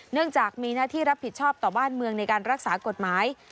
เนื่องจากมีหน้าที่รับผิดชอบต่อบ้านเมืองในการรักษากฎหมาย